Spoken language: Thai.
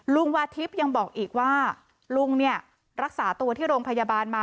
วาทิพย์ยังบอกอีกว่าลุงเนี่ยรักษาตัวที่โรงพยาบาลมา